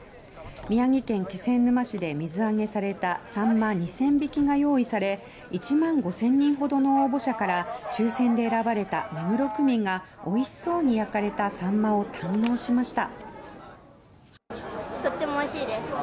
宮城県気仙沼市で水揚げされたサンマ２０００匹が用意され１万５０００人ほどの応募者から抽選で選ばれた目黒区民がおいしそうに焼かれたサンマを堪能しました。